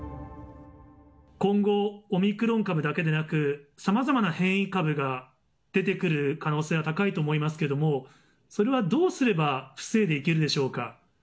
今後、オミクロン株だけでなく、さまざまな変異株が出てくる可能性は高いと思いますけれども、それはどうすれば防いでいけるでしょうか。